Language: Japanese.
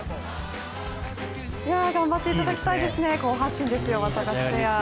頑張っていただきたいですね、好発進ですよ、ワタガシペア。